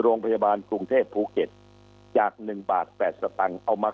โรงพยาบาลกรุงเทพภูเก็ตจาก๑บาท๘สตังค์เอามา